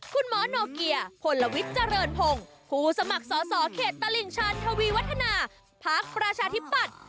โนเกียพลวิทย์เจริญพงศ์ผู้สมัครสอสอเขตตลิ่งชันทวีวัฒนาพักประชาธิปัตย์